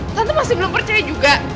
tapi masih belum percaya juga